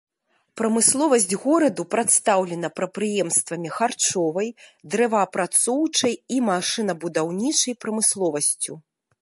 Прамысловасць гораду прадстаўлена прадпрыемствамі харчовай, дрэваапрацоўчай і машынабудаўнічай прамысловасцю.